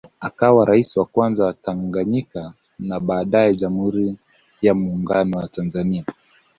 Akawa rais wa Kwanza wa Tanganyika na baadae Jamhuri ya Muungano wa Tanzania